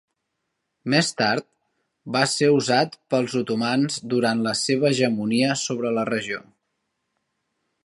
Més tard, va ser usat pels otomans durant la seva hegemonia sobre la regió.